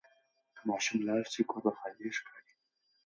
که ماشوم لاړ شي، کور به خالي ښکاري.